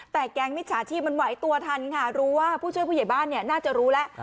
แต่แก๊งมิจฉาชีพมันไหวตัวทันค่ะรู้ว่าผู้ช่วยผู้ใหญ่บ้านเนี่ยน่าจะรู้แล้ว